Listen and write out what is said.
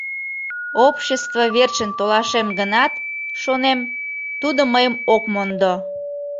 Общество верчын толашем гынат, шонем, тудо мыйым ок мондо.